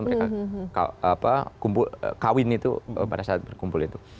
mereka kumpul kawin itu pada saat berkumpul itu